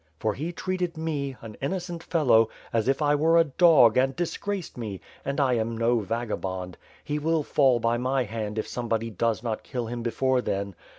For he treated me, an innocent fellow, as if I were a dog and dis graced me; and I am no vagabond. He will fall by my hand if somebody does not kill him before then.